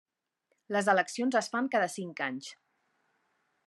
Les eleccions es fan cada cinc anys.